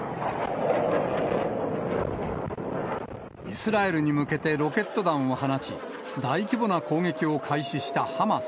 イスラエルに向けてロケット弾を放ち、大規模な攻撃を開始したハマス。